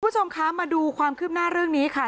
คุณผู้ชมคะมาดูความคืบหน้าเรื่องนี้ค่ะ